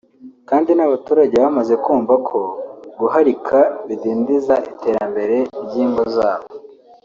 kandi n’abaturage bamaze kumva ko guharika bidindiza iterambere ry’ingo zabo